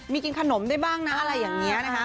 มีกินขนมได้บ้างนะอะไรอย่างนี้นะคะ